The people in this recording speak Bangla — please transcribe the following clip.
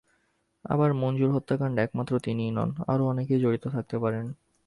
আবার মঞ্জুর হত্যাকাণ্ডে একমাত্র তিনিই নন, আরও অনেকেই জড়িত থাকতে পারেন।